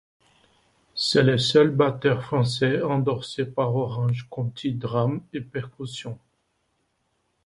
C'est le seul batteur français endorsé par Orange County Drum & Percussion.